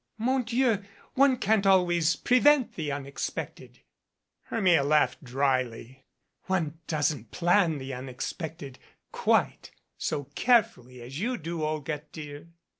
Mon Dieu, one can't always prevent the unexpected." 96 Hermia laughed dryly. "One doesn't plan the unex pected quite so carefully as you do, Olga, dear."